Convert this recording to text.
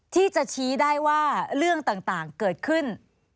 ที่จะชี้ได้ว่าเรื่องต่างเกิดขึ้น